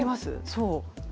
そう。